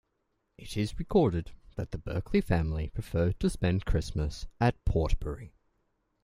It is recorded that the Berkeley family preferred to spend Christmas at Portbury.